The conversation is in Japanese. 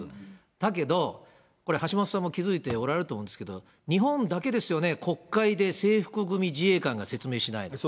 だけど、これ、橋下さんも気付いておられると思うんですけど、日本だけですよね、国会で制服組自衛官が説明しないの。